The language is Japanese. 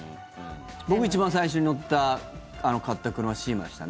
僕、一番最初に乗った買った車、シーマでしたね。